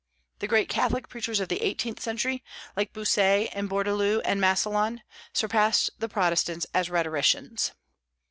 The great Catholic preachers of the eighteenth century like Bossuet and Bourdaloue and Massillon surpassed the Protestants as rhetoricians.